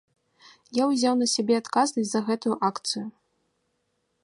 Я ўзяў на сябе адказнасць за гэтую акцыю.